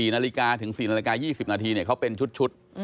๔นาฬิกาถึง๔นาฬิกา๒๐นาทีเขาเป็นชุด